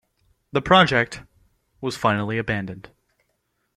The project was finally abandoned.